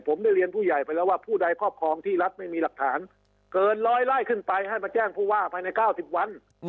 ผมได้เรียนผู้ใหญ่ไปแล้วว่าผู้ใดครอบครองที่รัฐไม่มีหลักฐานเกินร้อยไล่ขึ้นไปให้มาแจ้งผู้ว่าภายใน๙๐วัน